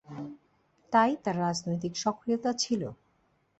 তাই তার রাজনৈতিক সক্রিয়তা ছিল।